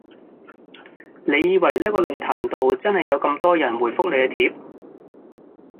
你以為這個論壇上真的有那麼多人回覆你的帖子？